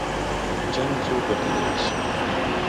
جـنګ څوك ګټلی نه شي